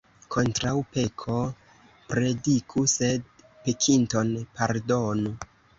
Kontraŭ peko prediku, sed pekinton pardonu.